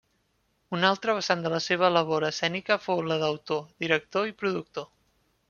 Un altre vessant de la seva labor escènica fou la d'autor, director i productor.